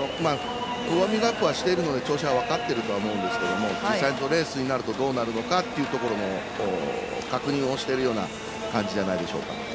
ウォーミングアップはしてるので調子は分かってるとは思いますが実際のレースになるとどうなるのかというところの確認をしているような感じじゃないでしょうか。